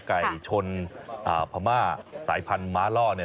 ไก่ชนพม่าสายพันธุ์ม้าล่อเนี่ย